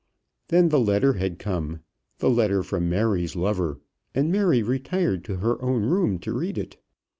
Then the letter had come the letter from Mary's lover; and Mary retired to her own room to read it.